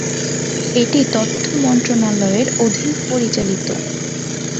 এটি তথ্য মন্ত্রণালয়ের অধীন পরিচালিত।